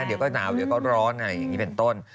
เดี๋ยวก็หนาวเดี๋ยวก็ร้อนอะไรอย่างนี้เป็นต้น